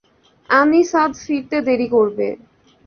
আনিস আজ ফিরতে দেরি করবে।